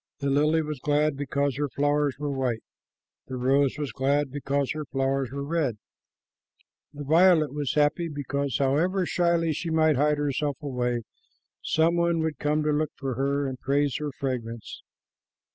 The lily was glad because her flowers were white. The rose was glad because her flowers were red. The violet was happy because, however shyly she might hide herself away, some one would come to look for her and praise her fragrance.